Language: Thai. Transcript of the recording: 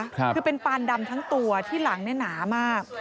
คือเป็นปานดำทั้งตัวที่หลังเนี่ยหนามาก